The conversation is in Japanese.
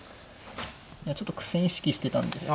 いやちょっと苦戦意識してたんですけれど。